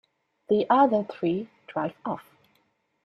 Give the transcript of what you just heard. The other three drive off.